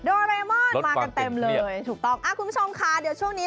โรเรมอนมากันเต็มเลยถูกต้องอ่าคุณผู้ชมค่ะเดี๋ยวช่วงนี้